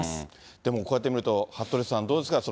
でもこうやって見ると、服部さん、どうですか。